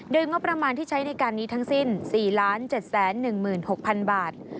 โดยงบประมาณที่ใช้ในการนี้ทั้งสิ้น๔๗๑๖๐๐๐บาท